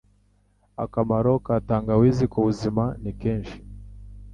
Akamaro ka tangawizi ku buzima ni kenshi